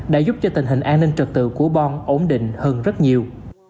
đã giúp cho tình hình an ninh trật tự của bon ổn định hơn rất nhiều